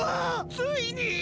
ついに！